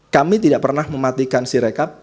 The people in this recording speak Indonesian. kami tidak pernah mematikan si rekap